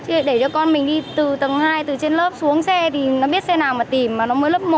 chứ để cho con mình đi từ tầng hai từ trên lớp xuống xe thì nó biết xe nào mà tìm mà nó mới lớp một